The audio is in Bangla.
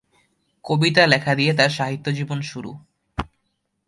কবিতা লেখা দিয়ে তার সাহিত্য জীবন শুরু।